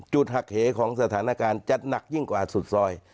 หักเหของสถานการณ์จะหนักยิ่งกว่าสุดซอย